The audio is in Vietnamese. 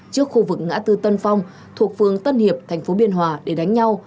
trước khu vực ngã tư tân phong thuộc phường tân hiệp thành phố biên hòa để đánh nhau